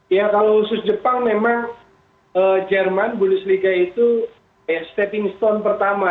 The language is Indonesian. ya kalau khusus jepang memang jerman bundesliga itu stepping stone pertama